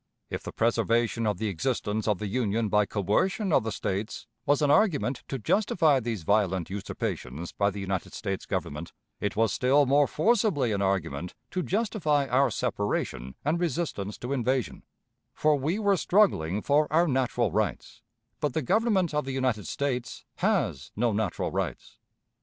If the preservation of the existence of the Union by coercion of the States was an argument to justify these violent usurpations by the United States Government, it was still more forcibly an argument to justify our separation and resistance to invasion; for we were struggling for our natural rights, but the Government of the United States has no natural rights.